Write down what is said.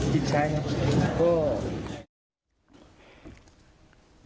กินใช้ครับ